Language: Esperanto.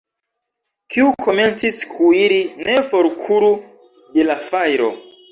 Kiu komencis kuiri, ne forkuru de la fajro.